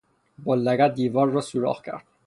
با لگد دیوار را سوراخ کرد.